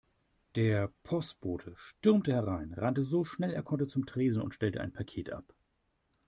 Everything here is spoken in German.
Der Postbote stürmte herein, rannte so schnell er konnte zum Tresen und stellte ein Paket ab.